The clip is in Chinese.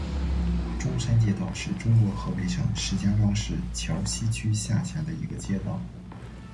中山街道是中国河北省石家庄市桥西区下辖的一个街道。